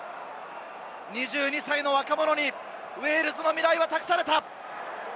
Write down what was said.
２２歳の若者にウェールズの未来は託された。